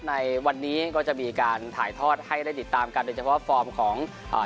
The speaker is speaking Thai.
ในวันนี้ก็จะมีการถ่ายทอดให้ได้ติดตามกันโดยเฉพาะฟอร์มของอ่า